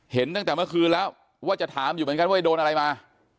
เห็นตั้งแต่เมื่อคืนแล้วว่าจะถามอยู่เหมือนกันว่าโดนอะไรมา